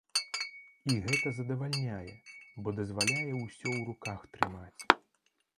І гэта задавальняе, бо дазваляе ўсё ў руках трымаць.